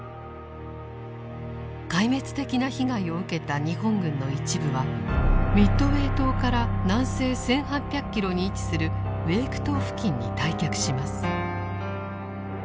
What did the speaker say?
壊滅的な被害を受けた日本軍の一部はミッドウェー島から南西１８００キロに位置するウェーク島付近に退却します。